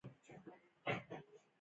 آیا موږ منځنۍ اسیا ته صادرات لرو؟